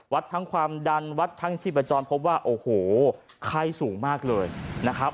วัดทั้งความดันวัดทั้งชีพจรพบว่าโอ้โหไข้สูงมากเลยนะครับ